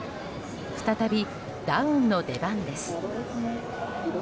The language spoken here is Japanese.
再びダウンの出番です。